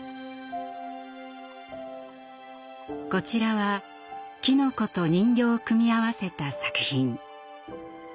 こちらはキノコと人形を組み合わせた作品。